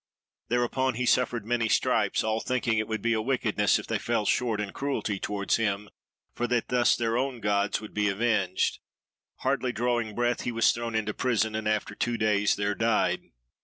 Thereupon he suffered many stripes, all thinking it would be a wickedness if they fell short in cruelty towards him, for that thus their own gods would be avenged. Hardly drawing breath, he was thrown into prison, and after two days there died.